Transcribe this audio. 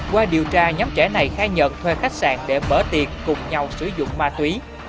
qua điều tra nhóm trẻ này khai nhận thuê khách sạn để mở tiệc cùng nhau sử dụng ma túy